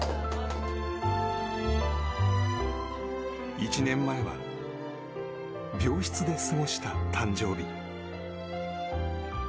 １年前は病室で過ごした誕生日。